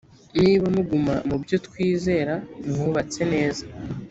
niba muguma mu byo twizera mwubatswe neza